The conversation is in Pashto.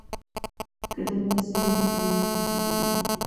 که دروازه وي نو امنیت نه خرابېږي.